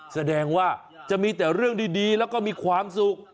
แสดงว่าจะมีแต่เรื่องดีแล้วก็มีความสุข